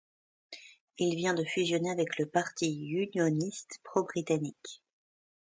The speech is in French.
Il vient de fusionner avec le parti unioniste pro-britannique.